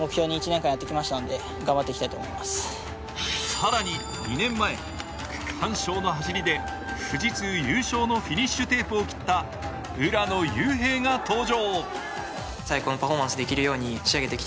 更に２年前、区間賞の走りで富士通優勝のフィニッシュテープを切った浦野雄平が登場。